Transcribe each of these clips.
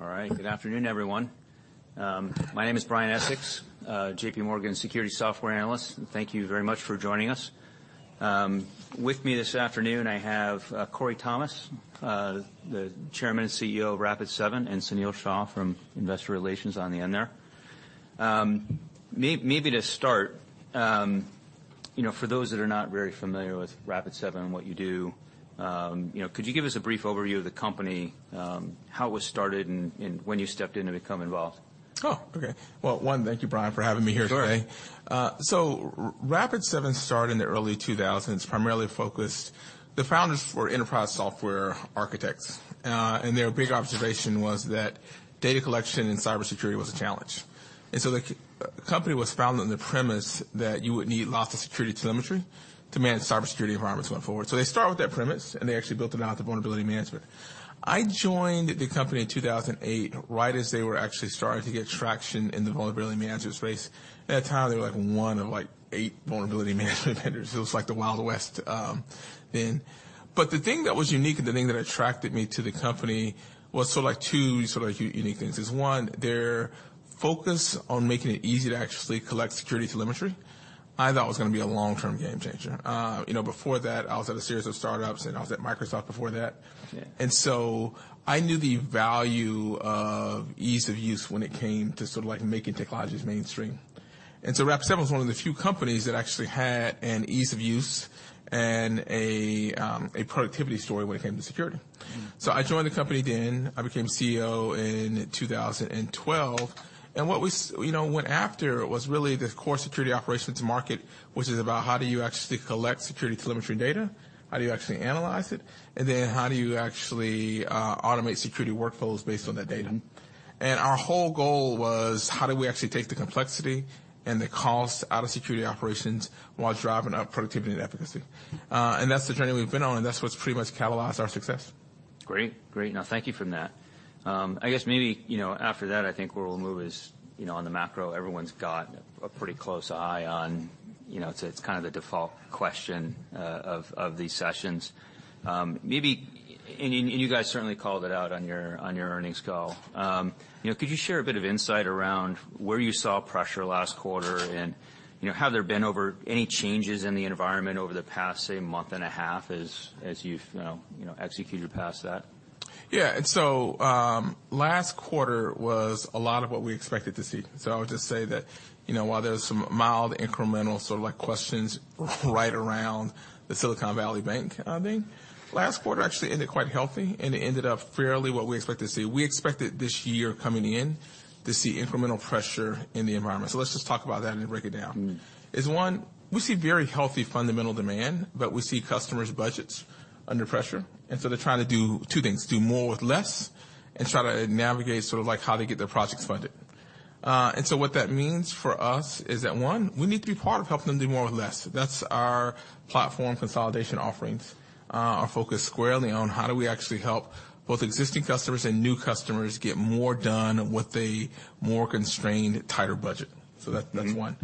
All right. Good afternoon, everyone. My name is Brian Essex, J.P. Morgan Securities Software Analyst. Thank you very much for joining us. With me this afternoon, I have Corey Thomas, the Chairman and CEO of Rapid7, and Sunil Shah from Investor Relations on the end there. Maybe to start for those that are not very familiar with Rapid7 and what you do could you give us a brief overview of the company, how it was started and when you stepped in and become involved? Oh, okay. Well, one, thank you, Brian, for having me here today. Sure. Rapid seven started in the early 2000s. The founders were enterprise software architects, their big observation was that data collection in cybersecurity was a challenge. The company was founded on the premise that you would need lots of security telemetry to manage cybersecurity environments going forward. They start with that premise, and they actually built them out to Vulnerability Management. I joined the company in 2008, right as they were actually starting to get traction in the Vulnerability Management space. At that time, they were, like, one eight Vulnerability Management vendors. It was like the Wild West then. The thing that was unique and the thing that attracted me to the company was sort of like two unique things, is, one, their focus on making it easy to actually collect security telemetry, I thought was gonna be a long-term game changer before that, I was at a series of startups, and I was at Microsoft before that. Okay. I knew the value of ease of use when it came to sort of, like, making technologies mainstream. Rapid7 was one of the few companies that actually had an ease of use and a productivity story when it came to security. Mm-hmm. I joined the company then. I became CEO in 2012. Went after was really the core security operations market, which is about how do you actually collect security telemetry data, how do you actually analyze it, and then how do you actually automate security workflows based on that data. Mm-hmm. Our whole goal was, how do we actually take the complexity and the cost out of security operations while driving up productivity and efficacy? That's the journey we've been on, and that's what's pretty much catalyzed our success. Great. Great. No, thank you for that. I guess maybe after that, I think where we'll move is on the macro, everyone's got a pretty close eye on, it's kind of the default question of these sessions. Maybe, you guys certainly called it out on your, on your earnings call., could you share a bit of insight around where you saw pressure last quarter? Have there been over any changes in the environment over the past say month and a half as you've executed past that? Last quarter was a lot of what we expected to see. I would just say that while there was some mild incremental sort of like questions right around the Silicon Valley Bank outing, last quarter actually ended quite healthy, and it ended up fairly what we expected to see. We expected this year coming in to see incremental pressure in the environment. Let's just talk about that and break it down. Mm-hmm. Is, one, we see very healthy fundamental demand, but we see customers' budgets under pressure, and so they're trying to do two things, do more with less and try to navigate sort of, like, how to get their projects funded. What that means for us is that, one, we need to be part of helping them do more with less. That's our platform consolidation offerings, are focused squarely on how do we actually help both existing customers and new customers get more done with a more constrained, tighter budget. Mm-hmm. That's one.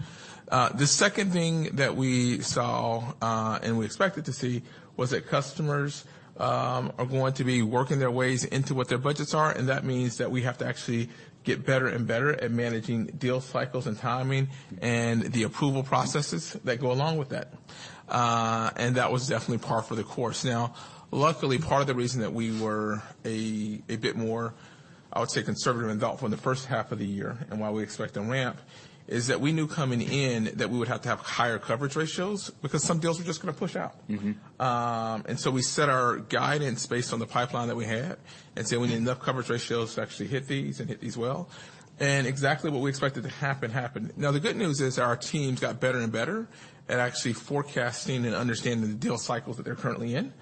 The second thing that we saw, we expected to see, was that customers are going to be working their ways into what their budgets are, that means that we have to actually get better and better at managing deal cycles and timing and the approval processes that go along with that. That was definitely par for the course. Now, luckily, part of the reason that we were a bit more, I would say, conservative in thought for the first half of the year and while we expect to ramp, is that we knew coming in that we would have to have higher coverage ratios because some deals were just gonna push out. Mm-hmm. We set our guidance based on the pipeline that we had and said we need enough coverage ratios to actually hit these and hit these well. Exactly what we expected to happen, happened. The good news is our teams got better and better at actually forecasting and understanding the deal cycles that they're currently in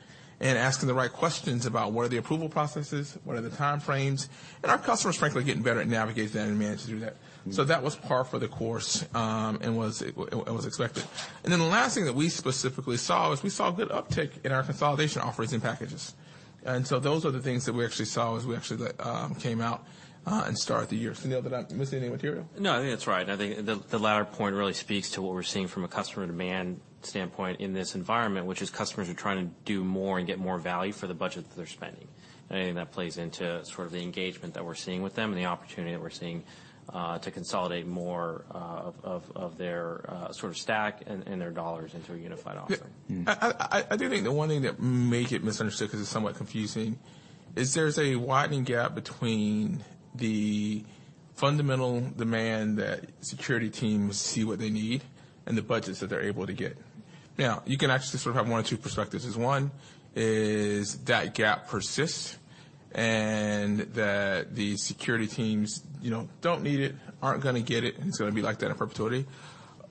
and asking the right questions about what are the approval processes, what are the time frames, and our customers, frankly, are getting better at navigating that and managing through that. Mm-hmm. That was par for the course, and was expected. The last thing that we specifically saw is we saw a good uptick in our consolidation offerings and packages. Those are the things that we actually saw as we actually came out and started the year. Sunil, did I miss any material? No, I think that's right. I think the latter point really speaks to what we're seeing from a customer demand standpoint in this environment, which is customers are trying to do more and get more value for the budget that they're spending. I think that plays into sort of the engagement that we're seeing with them and the opportunity that we're seeing to consolidate more of their sort of stack and their dollars into a unified offering. Yeah. Mm-hmm. I do think the one thing that may get misunderstood, 'cause it's somewhat confusing, is there's a widening gap between the fundamental demand that security teams see what they need and the budgets that they're able to get. Now, you can actually sort of have one of two perspectives. Is one is that gap persists and that the security teams don't need it, aren't gonna get it, and it's gonna be like that in perpetuity.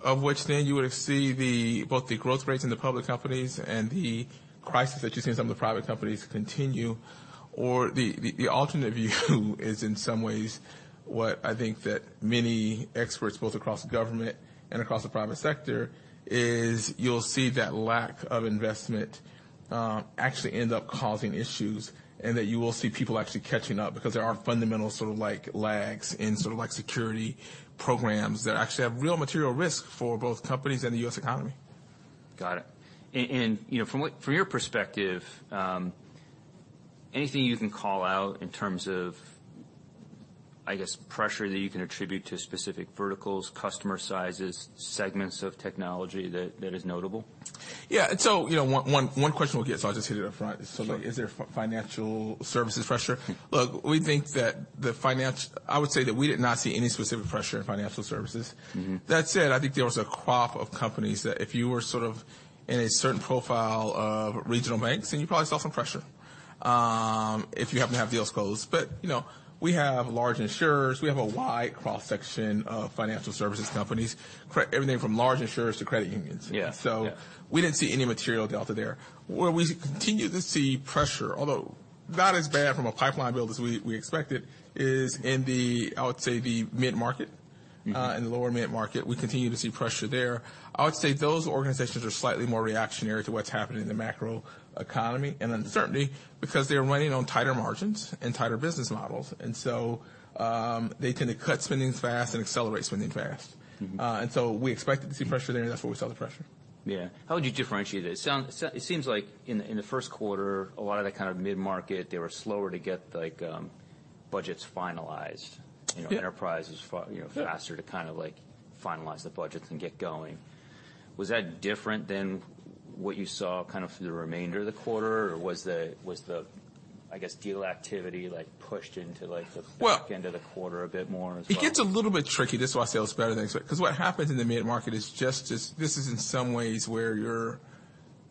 Of which then you would see both the growth rates in the public companies and the crisis that you see in some of the private companies continue. The alternate view is in some ways what I think that many experts, both across government and across the private sector, is you'll see that lack of investment, actually end up causing issues and that you will see people actually catching up because there are fundamental sort of like lags in sort of like security programs that actually have real material risk for both companies and the U.S. economy. Got it., from your perspective, anything you can call out in terms of, I guess, pressure that you can attribute to specific verticals, customer sizes, segments of technology that is notable? Yeah., one question we'll get, so I'll just hit it up front. Sure. Is there financial services pressure? Look, we think that I would say that we did not see any specific pressure in financial services. Mm-hmm. That said, I think there was a crop of companies that if you were sort of in a certain profile of regional banks, then you probably saw some pressure, if you happen to have deals closed., we have large insurers. We have a wide cross-section of financial services companies, everything from large insurers to credit unions. Yeah. Yeah. We didn't see any material delta there. Where we continue to see pressure, although not as bad from a pipeline build as we expected, is in the, I would say, the mid-market. Mm-hmm. In the lower mid-market. We continue to see pressure there. I would say those organizations are slightly more reactionary to what's happening in the macro economy and uncertainty because they are running on tighter margins and tighter business models. They tend to cut spendings fast and accelerate spending fast. Mm-hmm. We expect to see pressure there, and that's where we saw the pressure. Yeah. How would you differentiate it? It seems like in the Q1, a lot of the kind of mid-market, they were slower to get like, budgets finalized. Yeah., enterprise is, faster- Yeah... to kind of like finalize the budgets and get going. Was that different than what you saw kind of for the remainder of the quarter or was the, I guess, deal activity like pushed into like? Well-... back end of the quarter a bit more as well? It gets a little bit tricky. This is why I say it looks better than expected, 'cause what happens in the mid-market is just this is in some ways where your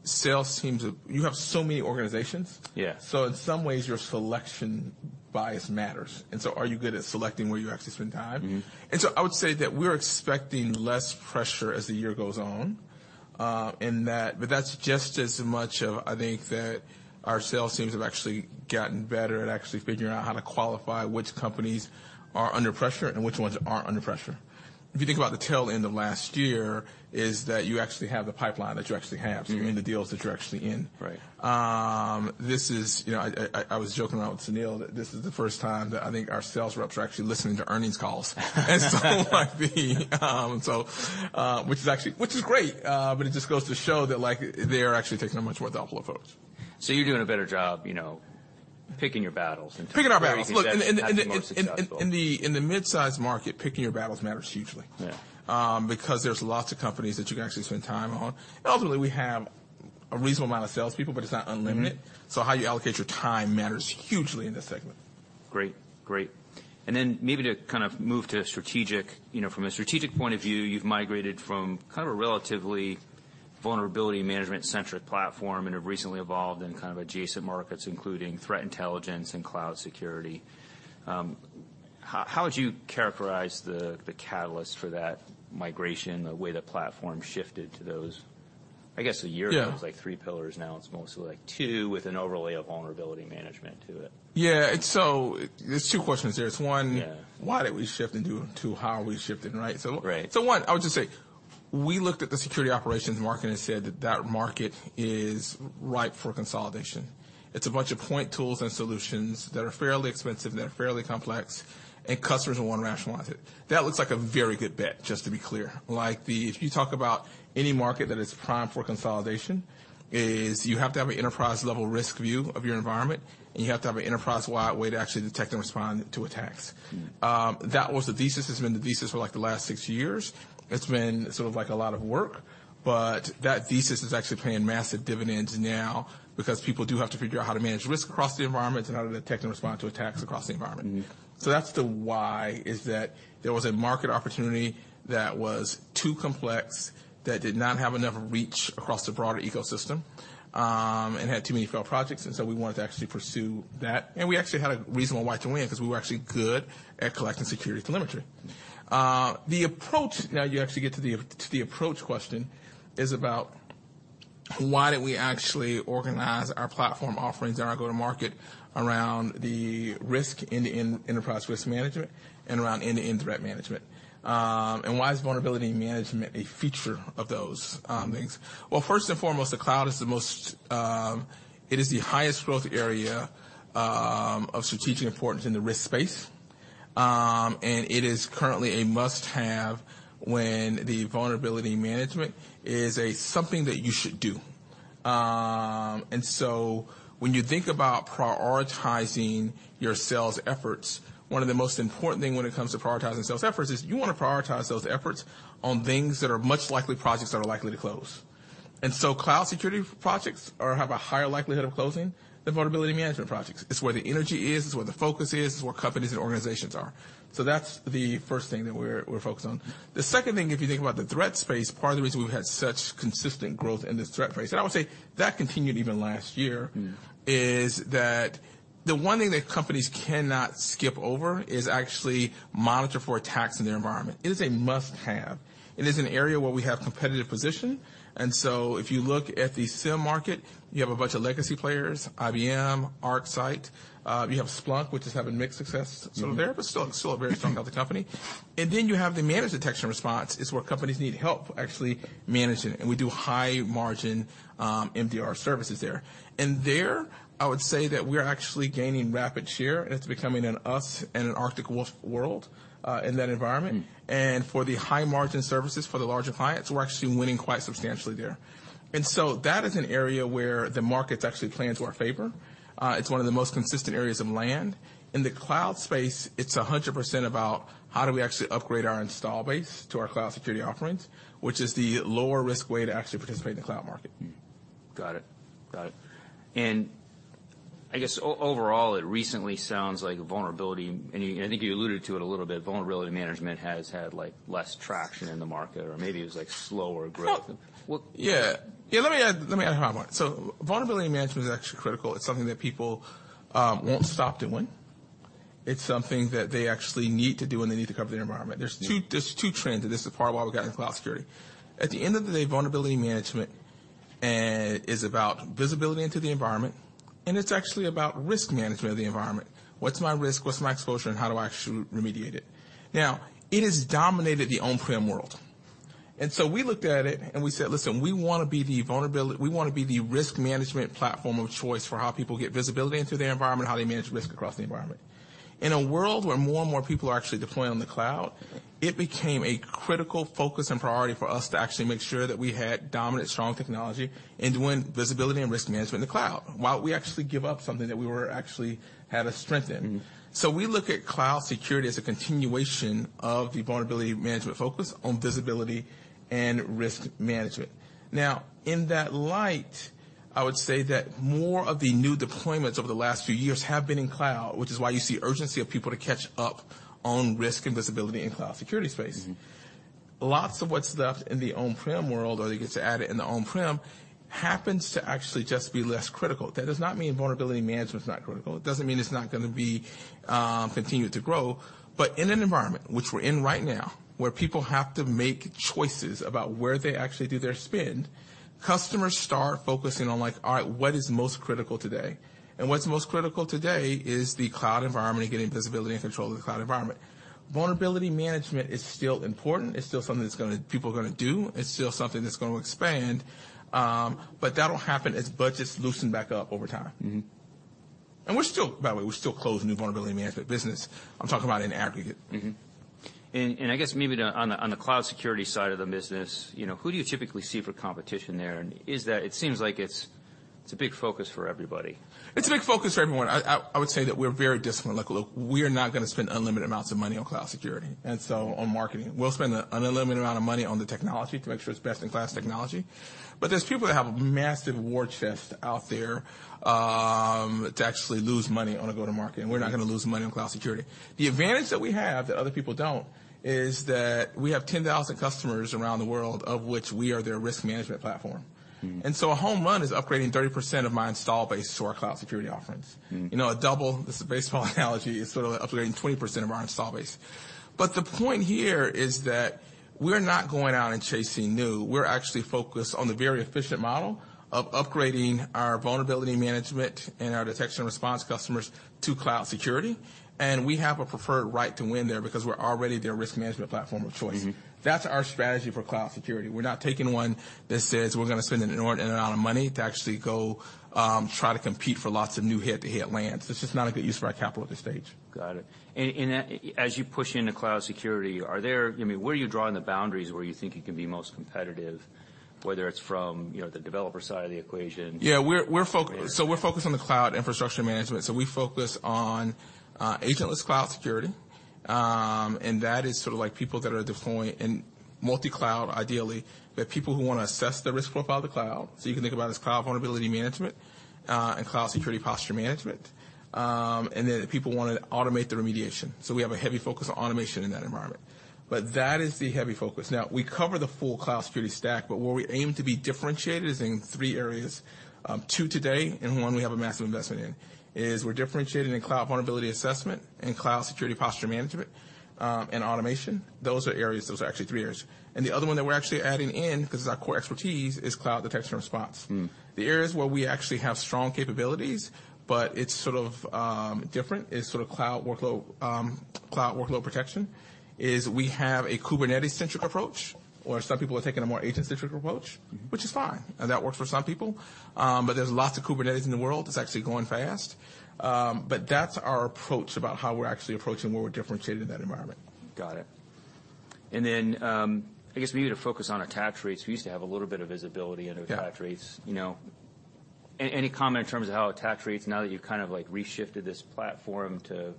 sales teams have... You have so many organizations. Yeah. In some ways your selection bias matters. Are you good at selecting where you actually spend time? Mm-hmm. I would say that we're expecting less pressure as the year goes on, in that. That's just as much of, I think, that our sales teams have actually gotten better at actually figuring out how to qualify which companies are under pressure and which ones aren't under pressure. If you think about the tail end of last year, is that you actually have the pipeline that you actually have. Mm-hmm. You're in the deals that you're actually in. Right. This is I was joking around with Sunil that this is the first time that I think our sales reps are actually listening to earnings calls. It might be. Which is actually, which is great. It just goes to show that like they are actually taking a much more thoughtful approach. You're doing a better job picking your battles in terms of... Picking our battles.... where you can actually be more successful... in the midsize market, picking your battles matters hugely. Yeah. There's lots of companies that you can actually spend time on. Ultimately, we have a reasonable amount of salespeople, but it's not unlimited. Mm-hmm. How you allocate your time matters hugely in this segment. Great. Great. Then maybe to kind of move to strategic from a strategic point of view, you've migrated from kind of a relatively Vulnerability Management-centric platform and have recently evolved in kind of adjacent markets, including threat intelligence and cloud security. How would you characterize the catalyst for that migration, the way the platform shifted to those? I guess a year ago. Yeah... it was like three pillars. Now it's mostly like two with an overlay of Vulnerability Management to it. Yeah. There's two questions there. Yeah... why did we shift into two, how are we shifting, right? Right. One, I would just say we looked at the security operations market and said that market is ripe for consolidation. It's a bunch of point tools and solutions that are fairly expensive, and they're fairly complex, and customers will want to rationalize it. That looks like a very good bet, just to be clear. If you talk about any market that is prime for consolidation, is you have to have an enterprise-level risk view of your environment, and you have to have an enterprise-wide way to actually detect and respond to attacks. Mm-hmm. That was the thesis. It's been the thesis for like the last six years. It's been sort of like a lot of work, but that thesis is actually paying massive dividends now because people do have to figure out how to manage risk across the environment and how to detect and respond to attacks across the environment. Mm-hmm. That's the why, is that there was a market opportunity that was too complex, that did not have enough reach across the broader ecosystem, and had too many failed projects, we wanted to actually pursue that. We actually had a reasonable why to win, 'cause we were actually good at collecting security telemetry. The approach, now you actually get to the approach question, is about why did we actually organize our platform offerings and our go-to-market around the risk in the end-to-end enterprise risk management and around end-to-end threat management? Why is vulnerability management a feature of those things? Well, first and foremost, the cloud is the most. It is the highest growth area of strategic importance in the risk space. It is currently a must-have when the Vulnerability Management is something that you should do. When you think about prioritizing your sales efforts, one of the most important thing when it comes to prioritizing sales efforts is you wanna prioritize those efforts on things that are much likely projects that are likely to close. Cloud security projects have a higher likelihood of closing than Vulnerability Management projects. It's where the energy is. It's where the focus is. It's where companies and organizations are. That's the first thing that we're focused on. The second thing, if you think about the threat space, part of the reason we've had such consistent growth in this threat space, and I would say that continued even last year. Mm-hmm is that the one thing that companies cannot skip over is actually monitor for attacks in their environment. It is a must-have. It is an area where we have competitive position. If you look at the SIEM market, you have a bunch of legacy players,, ArcSight, you have Splunk, which is having mixed success. Mm-hmm... but still a very strong, healthy company. You have the Managed Detection and Response is where companies need help actually managing it, and we do high margin, MDR services there. There, I would say that we're actually gaining rapid share, and it's becoming an us and an Arctic Wolf world, in that environment. Mm-hmm. For the high margin services for the larger clients, we're actually winning quite substantially there. That is an area where the market's actually playing to our favor. It's one of the most consistent areas of land. In the cloud space, it's 100% about how do we actually upgrade our install base to our cloud security offerings, which is the lower risk way to actually participate in the cloud market. Got it. I guess overall, it recently sounds like vulnerability, I think you alluded to it a little bit, vulnerability management has had, like, less traction in the market or maybe it was, like, slower growth than. Well, yeah, let me add to that more. Vulnerability Management is actually critical. It's something that people won't stop doing. It's something that they actually need to do, and they need to cover their environment. Yeah. There's two trends, this is part of why we got into cloud security. At the end of the day, Vulnerability Management is about visibility into the environment, and it's actually about risk management of the environment. What's my risk? What's my exposure, and how do I actually remediate it? Now, it has dominated the on-prem world. We looked at it, and we said, "Listen, we wanna be the vulnerability... We wanna be the risk management platform of choice for how people get visibility into their environment, how they manage risk across the environment." In a world where more and more people are actually deploying on the cloud, it became a critical focus and priority for us to actually make sure that we had dominant, strong technology and doing visibility and risk management in the cloud while we actually give up something that we were actually had a strength in. Mm-hmm. We look at cloud security as a continuation of the Vulnerability Management focus on visibility and risk management. In that light, I would say that more of the new deployments over the last few years have been in cloud, which is why you see urgency of people to catch up on risk and visibility in cloud security space. Mm-hmm. Lots of what's left in the on-prem world, or they get to add it in the on-prem, happens to actually just be less critical. That does not mean vulnerability management's not critical. It doesn't mean it's not gonna be, continue to grow. In an environment which we're in right now, where people have to make choices about where they actually do their spend, customers start focusing on, like, all right, what is most critical today? What's most critical today is the cloud environment and getting visibility and control of the cloud environment. Vulnerability management is still important. It's still something that people are gonna do. It's still something that's gonna expand, but that'll happen as budgets loosen back up over time. Mm-hmm. We're still, by the way, we're still closing new Vulnerability Management business. I'm talking about in aggregate. I guess maybe on the cloud security side of the business who do you typically see for competition there? It seems like it's a big focus for everybody. It's a big focus for everyone. I would say that we're very disciplined. Like, look, we are not gonna spend unlimited amounts of money on cloud security, and so on marketing. We'll spend an unlimited amount of money on the technology to make sure it's best in class technology. There's people that have massive war chests out there, to actually lose money on a go-to-market. Yeah. We're not going to lose money on cloud security. The advantage that we have that other people don't is that we have 10,000 customers around the world of which we are their risk management platform. Mm-hmm. A home run is upgrading 30% of my install base to our cloud security offerings. Mm-hmm., a double, this is a baseball analogy, is sort of upgrading 20% of our install base. The point here is that we're not going out and chasing new. We're actually focused on the very efficient model of upgrading our Vulnerability Management and our detection response customers to cloud security. We have a preferred right to win there because we're already their risk management platform of choice. Mm-hmm. That's our strategy for cloud security. We're not taking one that says we're gonna spend an inordinate amount of money to actually go, try to compete for lots of new hit-to-hit lands. It's just not a good use of our capital at this stage. Got it. As you push into cloud security, I mean, where are you drawing the boundaries where you think you can be most competitive, whether it's from the developer side of the equation? Yeah. We're foc- Or- We're focused on the cloud infrastructure management, so we focus on agentless cloud security. That is sort of like people that are deploying in multi-cloud ideally. We have people who wanna assess their risk profile of the cloud, so you can think about it as Cloud Vulnerability Management, and Cloud Security Posture Management. Then people wanna automate the remediation, so we have a heavy focus on automation in that environment. That is the heavy focus. We cover the full cloud security stack, but where we aim to be differentiated is in three areas, two today and one we have a massive investment in, is we're differentiating in Cloud Vulnerability Assessment and Cloud Security Posture Management, and automation. Those are areas. Those are actually three areas. The other one that we're actually adding in, 'cause it's our core expertise, is Cloud Detection and Response. Mm. The areas where we actually have strong capabilities, but it's sort of different, is sort of cloud workload, cloud workload protection. We have a Kubernetes-centric approach, where some people are taking a more agent-centric approach. Mm-hmm. Which is fine, that works for some people. There's lots of Kubernetes in the world. It's actually growing fast. That's our approach about how we're actually approaching where we're differentiating that environment. Got it. I guess maybe to focus on attach rates, we used to have a little bit of visibility into attach rates. Yeah., any comment in terms of how attach rates, now that you've kind of, like, reshifted this platform to,.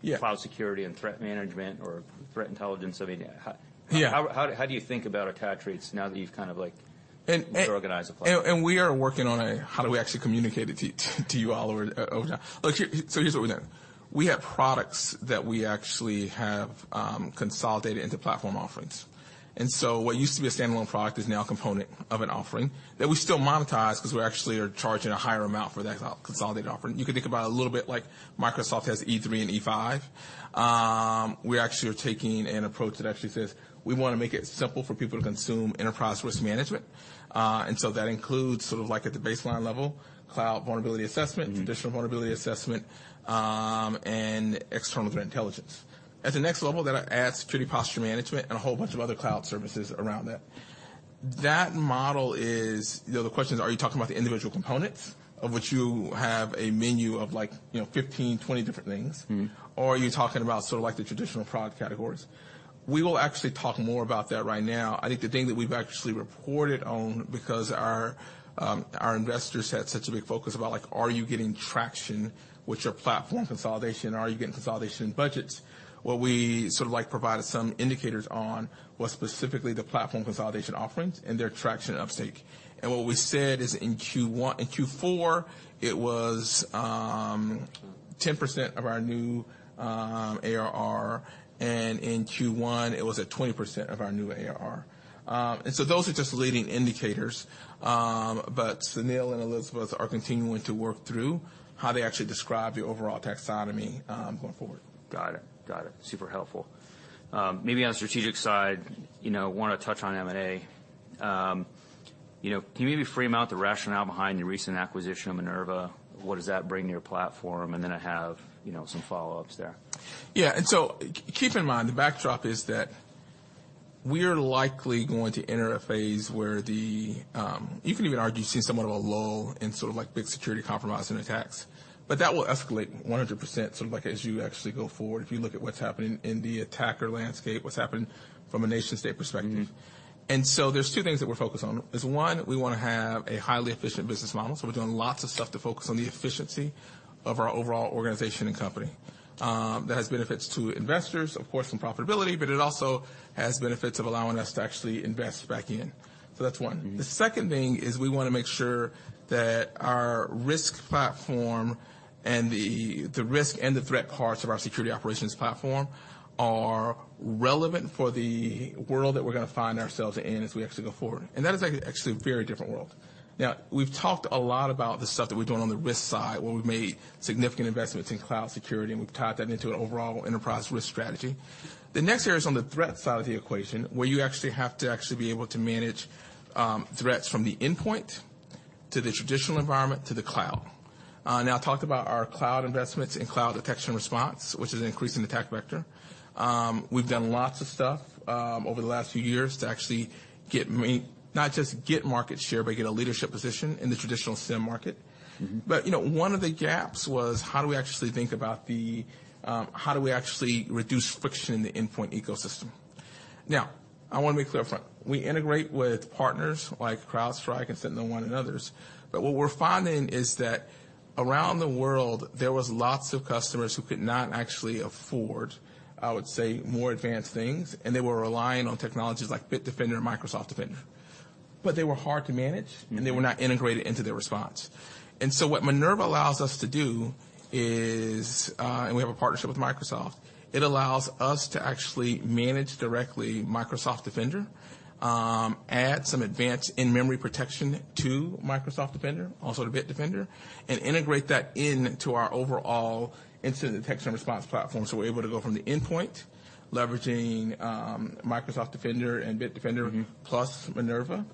Yeah... cloud security and threat management or threat intelligence. I mean, how- Yeah... how do you think about attach rates now that you've kind of? And, and- reorganized the platform? We are working on a how do we actually communicate it to you all over time. Look, here's what we know. We have products that we actually have consolidated into platform offerings. What used to be a standalone product is now a component of an offering that we still monetize 'cause we actually are charging a higher amount for that consolidated offering. You can think about it a little bit like Microsoft has E3 and E5. We actually are taking an approach that actually says we wanna make it simple for people to consume enterprise risk management. That includes sort of like at the baseline level, cloud vulnerability assessment- Mm-hmm... traditional vulnerability assessment, and external threat intelligence. At the next level, then I add security posture management and a whole bunch of other cloud services around that., the question is, are you talking about the individual components of which you have a menu of like 15, 20 different things? Mm-hmm. Or are you talking about sort of like the traditional product categories? We will actually talk more about that right now. I think the thing that we've actually reported on, because our investors had such a big focus about, like, are you getting traction with your platform consolidation? Are you getting consolidation budgets? What we sort of like provided some indicators on was specifically the platform consolidation offerings and their traction uptake. What we said is in Q4, it was 10% of our new ARR, and in Q1 it was at 20% of our new ARR. So those are just leading indicators. Sunil and Elizabeth are continuing to work through how they actually describe the overall taxonomy going forward. Got it. Got it. Super helpful. Maybe on the strategic side wanna touch on M&A., can you maybe frame out the rationale behind your recent acquisition of Minerva? What does that bring to your platform? Then I have some follow-ups there. Yeah. Keep in mind, the backdrop is that we're likely going to enter a phase where the, You can even argue, seeing somewhat of a lull in sort of like big security compromise and attacks, but that will escalate 100%, sort of like as you actually go forward, if you look at what's happening in the attacker landscape, what's happening from a nation-state perspective. Mm-hmm. There's two things that we're focused on, is, one, we wanna have a highly efficient business model, so we're doing lots of stuff to focus on the efficiency of our overall organization and company. That has benefits to investors, of course, in profitability, but it also has benefits of allowing us to actually invest back in. That's one. Mm-hmm. The second thing is we wanna make sure that our risk platform and the risk and the threat parts of our security operations platform are relevant for the world that we're gonna find ourselves in as we actually go forward. That is actually a very different world. Now, we've talked a lot about the stuff that we're doing on the risk side, where we've made significant investments in cloud security, and we've tied that into an overall enterprise risk strategy. The next area is on the threat side of the equation, where you actually have to actually be able to manage threats from the endpoint to the traditional environment to the cloud. Now I talked about our cloud investments in Cloud Detection and Response, which is an increase in attack vector. We've done lots of stuff, over the last few years to actually not just get market share, but get a leadership position in the traditional SIEM market. Mm-hmm., one of the gaps was, how do we actually reduce friction in the endpoint ecosystem? Now, I wanna be clear up front. We integrate with partners like CrowdStrike and SentinelOne and others, but what we're finding is that around the world, there was lots of customers who could not actually afford, I would say, more advanced things, and they were relying on technologies like Bitdefender and Microsoft Defender. They were hard to manage... Mm-hmm. They were not integrated into their response. What Minerva allows us to do is, and we have a partnership with Microsoft, it allows us to actually manage directly Microsoft Defender, add some advanced in-memory protection to Microsoft Defender, also to Bitdefender, and integrate that into our overall incident detection and response platform. We're able to go from the endpoint, leveraging, Microsoft Defender and Bitdefender. Mm-hmm. Plus Minerva,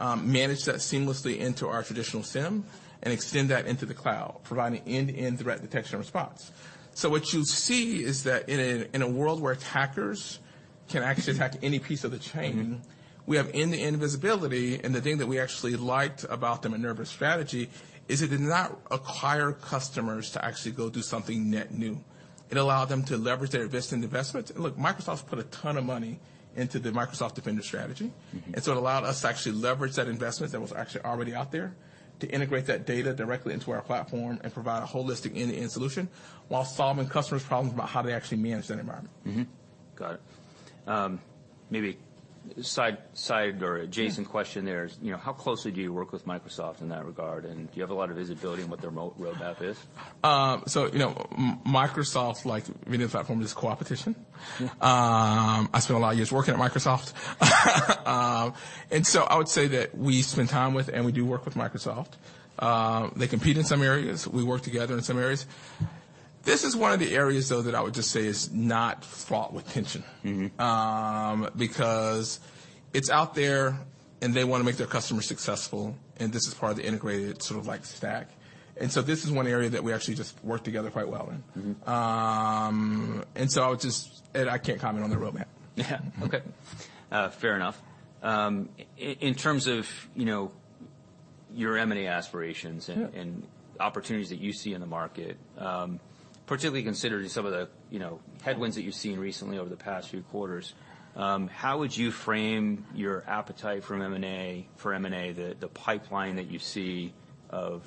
manage that seamlessly into our traditional SIEM and extend that into the cloud, providing end-to-end threat detection and response. What you'll see is that in a world where attackers can actually attack any piece of the chain. Mm-hmm. We have end-to-end visibility. The thing that we actually liked about the Minerva strategy is it did not require customers to actually go do something net new. It allowed them to leverage their existing investments. Look, Microsoft's put a ton of money into the Microsoft Defender strategy. Mm-hmm. It allowed us to actually leverage that investment that was actually already out there to integrate that data directly into our platform and provide a holistic end-to-end solution while solving customers' problems about how to actually manage that environment. Got it. maybe side or adjacent question there is how closely do you work with Microsoft in that regard, and do you have a lot of visibility in what their roadmap is? Microsoft like VMware platform is co-opetition. I spent a lot of years working at Microsoft. I would say that we spend time with, and we do work with Microsoft. They compete in some areas. We work together in some areas. This is one of the areas, though, that I would just say is not fraught with tension. Mm-hmm. Because it's out there, and they wanna make their customers successful, and this is part of the integrated sort of like stack. This is one area that we actually just work together quite well in. Mm-hmm. I can't comment on their roadmap. Yeah. Okay. fair enough. In terms of your M&A aspirations. Sure. Opportunities that you see in the market, particularly considering some of the headwinds that you've seen recently over the past few quarters, how would you frame your appetite for M&A, the pipeline that you see of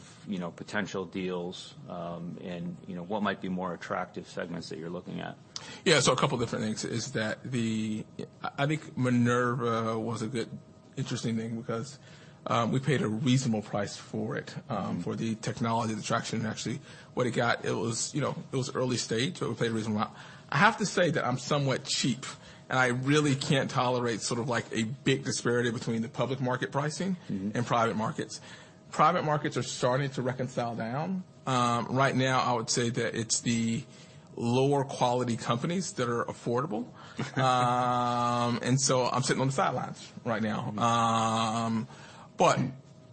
potential deals, and what might be more attractive segments that you're looking at? A couple different things is that I think Minerva was a good, interesting thing because we paid a reasonable price for it. For the technology, the traction, and actually what it got. It was it was early stage, but we paid a reasonable amount. I have to say that I'm somewhat cheap, and I really can't tolerate sort of like a big disparity between the public market pricing... Mm-hmm. Private markets. Private markets are starting to reconcile down. Right now, I would say that it's the lower quality companies that are affordable. I'm sitting on the sidelines right now.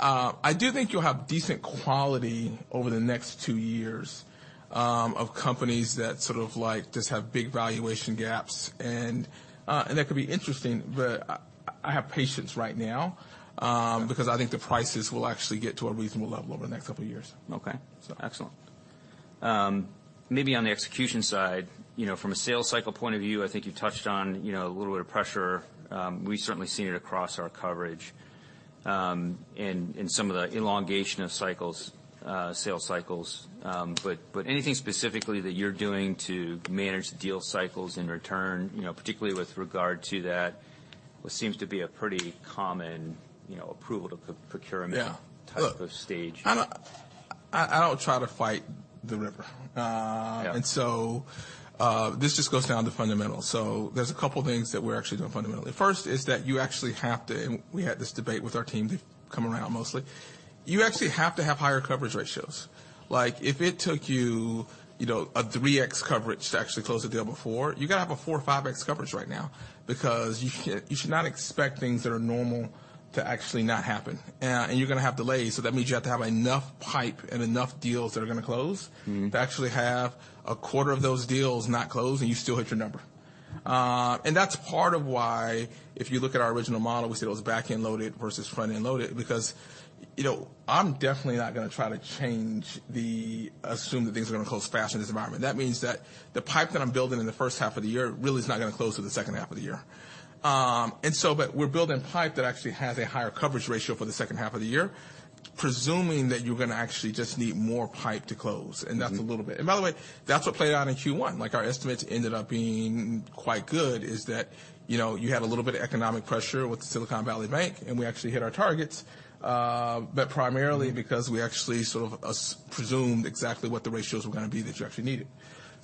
I do think you'll have decent quality over the next two years, of companies that sort of like just have big valuation gaps and that could be interesting, but I have patience right now, because I think the prices will actually get to a reasonable level over the next couple of years. Okay. Excellent. Maybe on the execution side from a sales cycle point of view, I think you touched on a little bit of pressure. We've certainly seen it across our coverage, in some of the elongation of cycles, sales cycles. But anything specifically that you're doing to manage the deal cycles in return particularly with regard to that, what seems to be a pretty common approval to procurement... Yeah. -type of stage. Look, I don't try to fight the river. Yeah. This just goes down to fundamentals. There's a couple things that we're actually doing fundamentally. First is that you actually have to. We had this debate with our team. They've come around mostly. You actually have to have higher coverage ratios. Like, if it took, a 3x coverage to actually close the deal before, you gotta have a 4x or 5x coverage right now because you should not expect things that are normal to actually not happen. You're gonna have delays, so that means you have to have enough pipe and enough deals that are gonna close. Mm-hmm. to actually have a quarter of those deals not close, and you still hit your number. That's part of why if you look at our original model, we said it was back-end loaded versus front-end loaded because I'm definitely not gonna try to change the assume that things are gonna close faster in this environment. That means that the pipe that I'm building in the H1 of the year really is not gonna close till the H2 of the year. We're building pipe that actually has a higher coverage ratio for the H2 of the year, presuming that you're gonna actually just need more pipe to close. Mm-hmm. That's a little bit. By the way, that's what played out in Q1. Like, our estimates ended up being quite good, is that you had a little bit of economic pressure with Silicon Valley Bank, and we actually hit our targets, but primarily because we actually sort of as-presumed exactly what the ratios were gonna be that you actually needed.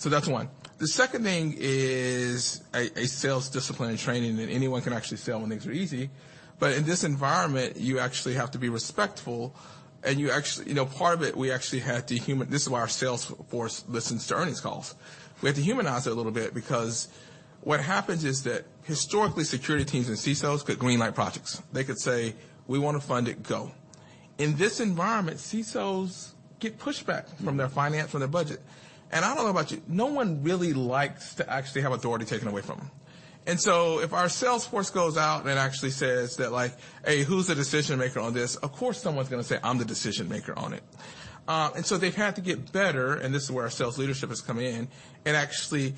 That's 1. The second thing is a sales discipline and training that anyone can actually sell when things are easy, but in this environment you actually have to be respectful and you actually., part of it we actually had to human. This is why our sales force listens to earnings calls. We have to humanize it a little bit because what happens is that historically security teams and CSOs could green light projects. They could say, "We wanna fund it. Go." In this environment, CSOs get pushback from their finance, from their budget. I don't know about you, no one really likes to actually have authority taken away from them. If our sales force goes out and actually says that like, "Hey, who's the decision maker on this?" Of course someone's gonna say, "I'm the decision maker on it." They've had to get better, and this is where our sales leadership has come in, at actually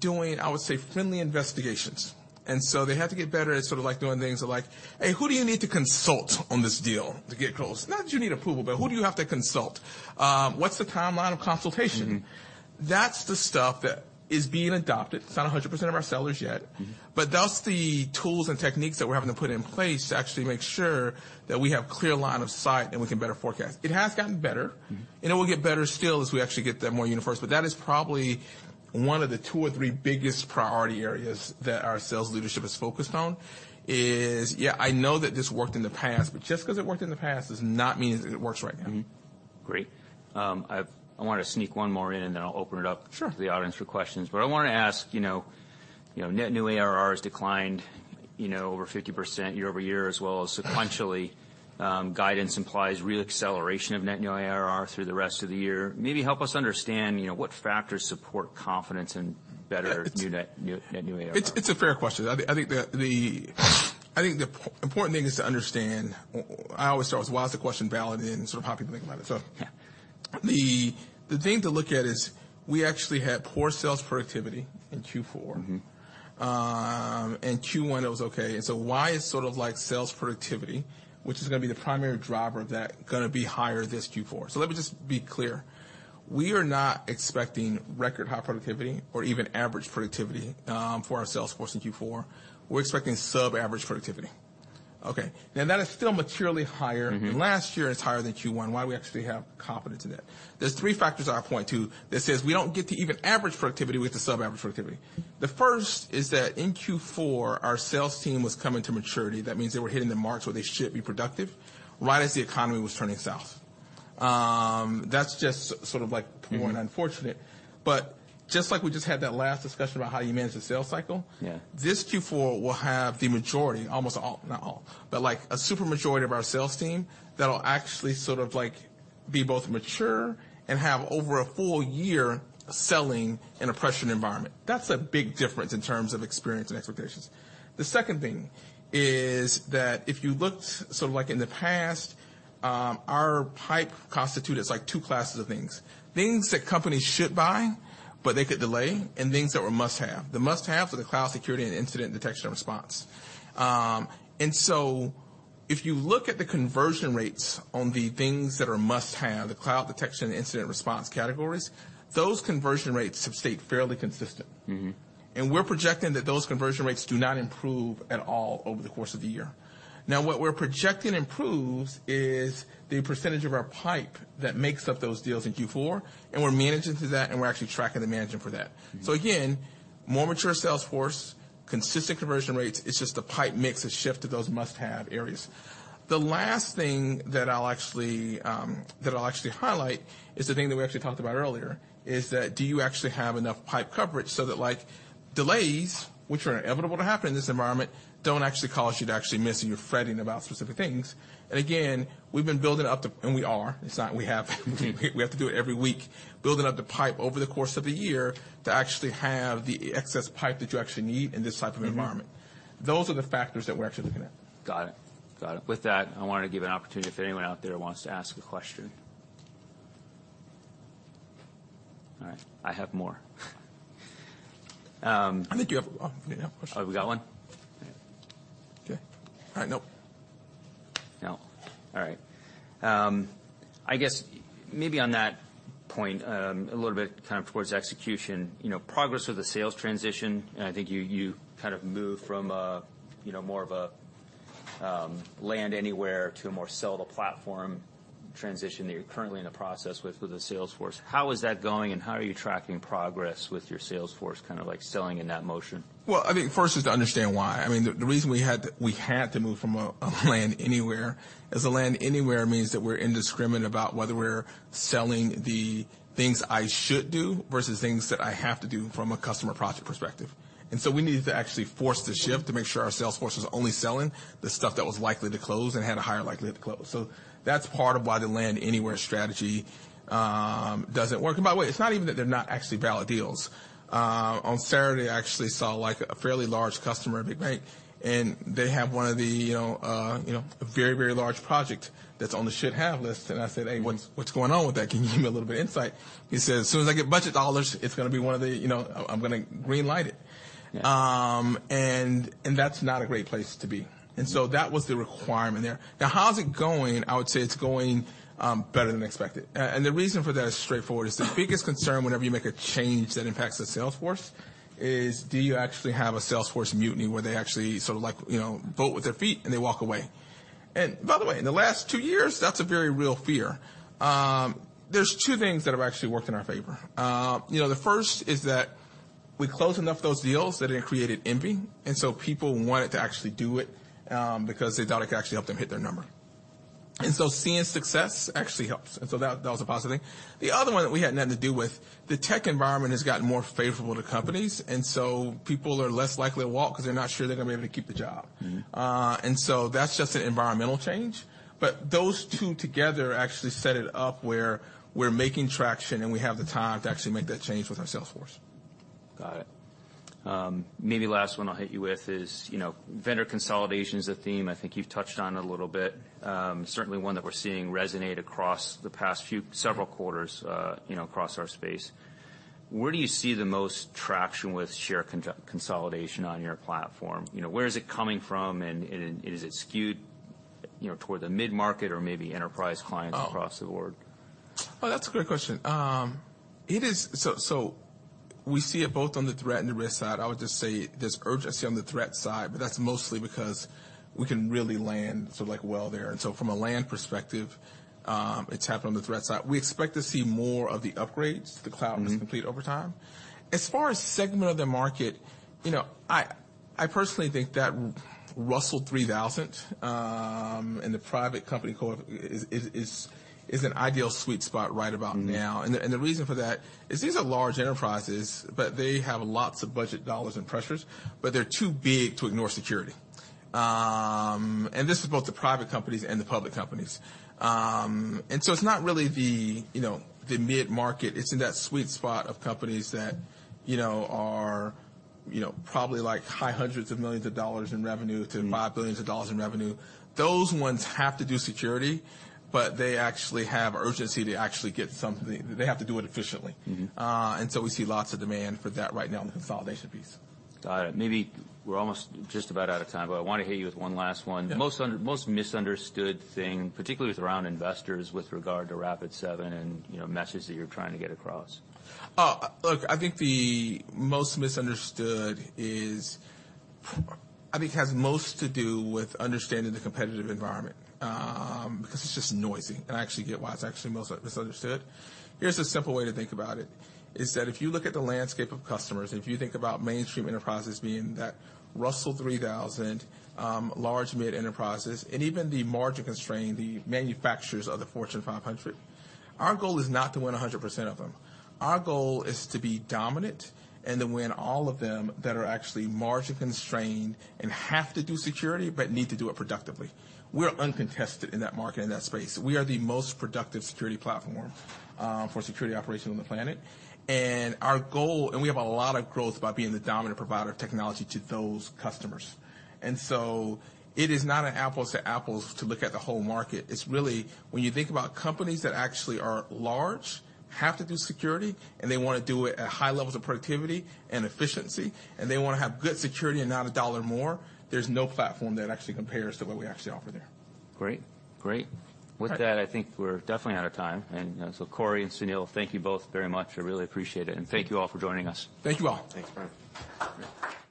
doing, I would say, friendly investigations. They had to get better at sort of like doing things like, "Hey, who do you need to consult on this deal to get closed? Not do you need approval, but who do you have to consult? What's the timeline of consultation? Mm-hmm. That's the stuff that is being adopted. It's not 100% of our sellers yet. Mm-hmm. That's the tools and techniques that we're having to put in place to actually make sure that we have clear line of sight and we can better forecast. It has gotten better. Mm-hmm. It will get better still as we actually get that more universe, but that is probably one of the two or three biggest priority areas that our sales leadership is focused on. Is yeah, I know that this worked in the past, but just 'cause it worked in the past does not mean it works right now. Great. I wanna sneak one more in and then I'll open it up. Sure. to the audience for questions. I wanna ask net new ARR has declined over 50% year-over-year as well as sequentially. guidance implies re-acceleration of net new ARR through the rest of the year. Maybe help us understand what factors support confidence in better net new ARR. It's a fair question. I think the important thing is to understand I always start with is, well, is the question valid and sort of how people think about it. Yeah. The thing to look at is we actually had poor sales productivity in Q4. Mm-hmm. Q1 it was okay. Why is sort of like sales productivity, which is gonna be the primary driver of that, gonna be higher this Q4? Let me just be clear. We are not expecting record high productivity or even average productivity for our sales force in Q4. We're expecting sub-average productivity. Okay. That is still materially higher- Mm-hmm. -than last year. It's higher than Q1. Why we actually have confidence in that? There's 3 factors that I point to that says we don't get to even average productivity with the sub-average productivity. The first is that in Q4 our sales team was coming to maturity. That means they were hitting the marks where they should be productive right as the economy was turning south. That's just sort of like poor and unfortunate. Mm-hmm. just like we just had that last discussion about how you manage the sales cycle. Yeah. This Q4 will have the majority, almost all, not all, but like a super majority of our sales team that'll actually sort of like be both mature and have over a full year selling in a pressured environment. That's a big difference in terms of experience and expectations. The second thing is that if you looked sort of like in the past, our pipe constituted like two classes of things. Things that companies should buy but they could delay, and things that were must-have. The must-haves are the cloud security and incident detection and response. If you look at the conversion rates on the things that are must-have, the cloud detection and incident response categories, those conversion rates have stayed fairly consistent. Mm-hmm. We're projecting that those conversion rates do not improve at all over the course of the year. Now, what we're projecting improves is the percentage of our pipe that makes up those deals in Q4, and we're managing to that, and we're actually tracking the management for that. Mm-hmm. Again, more mature sales force. Consistent conversion rates, it's just the pipe mix has shifted those must-have areas. The last thing that I'll actually, that I'll actually highlight is the thing that we actually talked about earlier, is that do you actually have enough pipe coverage so that, like, delays, which are inevitable to happen in this environment, don't actually cause you to actually miss and you're fretting about specific things. Again, we are. It's not we have. We have to do it every week. Building up the pipe over the course of a year to actually have the excess pipe that you actually need in this type of environment. Mm-hmm. Those are the factors that we're actually looking at. Got it. Got it. I wanna give an opportunity if anyone out there wants to ask a question. I have more. I think you have one. You have a question. Oh, we got one? Okay. All right, nope. No. All right. I guess maybe on that point, a little bit kind of towards execution progress with the sales transition, I think you kind of moved from a more of a land anywhere to a more sell the platform transition that you're currently in the process with the sales force. How is that going? How are you tracking progress with your sales force, kind of like selling in that motion? Well, I mean, first is to understand why. I mean, the reason we had to move from a land anywhere, is a land anywhere means that we're indiscriminate about whether we're selling the things I should do versus things that I have to do from a customer project perspective. We needed to actually force the shift to make sure our sales force was only selling the stuff that was likely to close and had a higher likelihood to close. That's part of why the land anywhere strategy doesn't work. By the way, it's not even that they're not actually valid deals. On Saturday I actually saw, like, a fairly large customer at a big bank, and they have one of the a very large project that's on the should have list. I said, "Hey, what's going on with that? Can you give me a little bit of insight?" He said, "As soon as I get budget dollars, it's gonna be one of the I'm gonna green light it. Yeah. That's not a great place to be. That was the requirement there. Now, how's it going? I would say it's going better than expected. And the reason for that is straightforward, is the biggest concern whenever you make a change that impacts the sales force is do you actually have a sales force mutiny where they actually sort of like vote with their feet and they walk away. By the way, in the last two years, that's a very real fear. There's two things that have actually worked in our favor., the first is that we closed enough of those deals that it created envy, people wanted to actually do it because they thought it could actually help them hit their number. Seeing success actually helps, and so that was a positive thing. The other one that we had nothing to do with, the tech environment has gotten more favorable to companies, and so people are less likely to walk 'cause they're not sure they're gonna be able to keep the job. Mm-hmm. That's just an environmental change. Those two together actually set it up where we're making traction, and we have the time to actually make that change with our sales force. Got it. maybe last one I'll hit you with is vendor consolidation's a theme I think you've touched on a little bit, certainly one that we're seeing resonate across the past few, several quarters across our space. Where do you see the most traction with share consolidation on your platform?, where is it coming from, and is it skewed toward the mid-market or maybe enterprise clients. Oh. across the board? Oh, that's a great question. We see it both on the threat and the risk side. I would just say there's urgency on the threat side, but that's mostly because we can really land sort of like well there. From a land perspective, it's happened on the threat side. We expect to see more of the upgrades. Mm-hmm. to Cloud Complete over time. As far as segment of the market I personally think that Russell 3000, and the private company co is an ideal sweet spot right about now. Mm-hmm. The reason for that is these are large enterprises, but they have lots of budget dollars and pressures, but they're too big to ignore security. This is both the private companies and the public companies. It's not really the the mid-market. It's in that sweet spot of companies that are probably, like, high hundreds of millions of dollars in revenue to $5 billion in revenue. Those ones have to do security, but they actually have urgency to actually get something. They have to do it efficiently. Mm-hmm. We see lots of demand for that right now in the consolidation piece. Got it. Maybe we're almost just about out of time, but I wanna hit you with one last one. Yeah. Most misunderstood thing, particularly with around investors with regard to Rapid seven and messages that you're trying to get across. Look, I think the most misunderstood I think has most to do with understanding the competitive environment, because it's just noisy. I actually get why it's actually most misunderstood. Here's a simple way to think about it, is that if you look at the landscape of customers, if you think about mainstream enterprises being that Russell 3000, large mid enterprises, and even the margin constrained, the manufacturers of the Fortune 500, our goal is not to win 100% of them. Our goal is to be dominant and to win all of them that are actually margin constrained and have to do security but need to do it productively. We're uncontested in that market, in that space. We are the most productive security platform for security operations on the planet. Our goal... We have a lot of growth by being the dominant provider of technology to those customers. It is not an apples to apples to look at the whole market. It's really when you think about companies that actually are large, have to do security, and they wanna do it at high levels of productivity and efficiency, and they wanna have good security and not a dollar more, there's no platform that actually compares to what we actually offer there. Great. Great. All right. With that, I think we're definitely out of time. Corey and Sunil Shah, thank you both very much. I really appreciate it. Thank you all for joining us. Thank you all. Thanks very much.